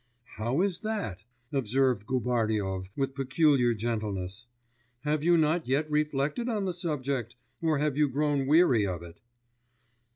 'How is that?' observed Gubaryov with peculiar gentleness. 'Have you not yet reflected on the subject, or have you grown weary of it?